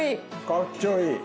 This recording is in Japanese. かっちょいい。